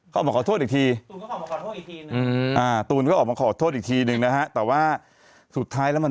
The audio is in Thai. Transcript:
เขาออกมาขอโทษอีกทีตูนก็ออกมาขอโทษอีกทีนึงนะฮะแต่ว่าสุดท้ายแล้วมัน